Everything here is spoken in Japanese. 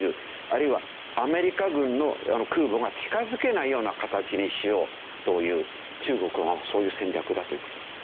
あるいはアメリカ軍の空母が近づけないような形にしようという中国のそういう戦略だという事です。